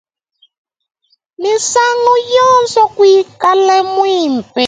Misangu yonso kuikala muimpe.